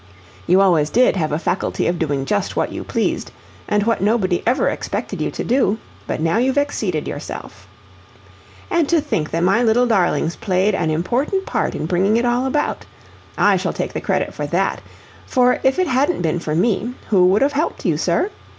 You always DID have a faculty of doing just what you pleased, and what nobody ever expected you to do, but now you've exceeded yourself. "And to think that my little darlings played an important part in bringing it all about! I shall take the credit for THAT, for if it hadn't been for me, who would have helped you, sir?